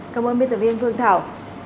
cảm ơn biên tập viên phương thảo